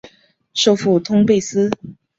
首府通贝斯。